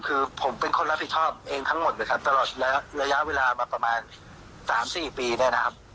คือผมเป็นคนรับผิดชอบเองทั้งหมดเลยครับตลอดระยะเวลามาประมาณ๓๔ปีเนี่ยนะครับ